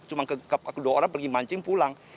cuma kedua orang pergi mancing pulang